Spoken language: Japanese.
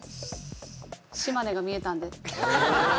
島根が見えたんで。